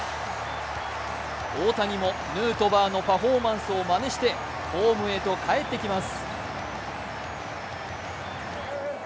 大谷もヌートバーのパフォーマンスをまねしてホームへと帰ってきます。